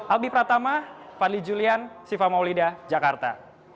albi pratama fadli julian siva maulida jakarta